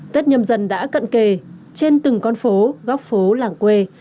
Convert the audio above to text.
tết nhâm dần đã cận kề trên từng con phố góc phố làng quê